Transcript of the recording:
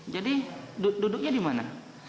jadi duduknya di mana